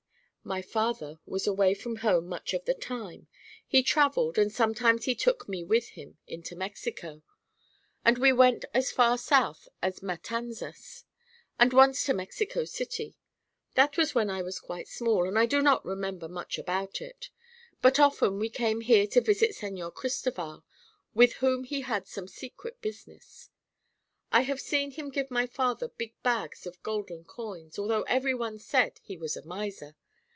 "My father was away from home much of the time. He traveled, and sometimes he took me with him into Mexico, and we went as far south as Matanzas, and once to Mexico City. That was when I was quite small, and I do not remember much about it. But often we came here to visit Señor Cristoval, with whom he had some secret business. I have seen him give my father big bags of golden coins, although everyone said he was a miser.